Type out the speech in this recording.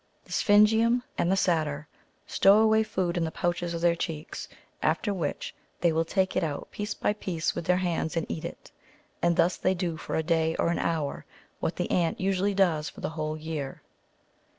The sphingium and the satyr^* stow away food in the pouches of their cheeks, after which the}' will take it out piece by piece with their hands and eat it ; and thus the}' do for a day or an hour what the ant usually does^^ for the whole year.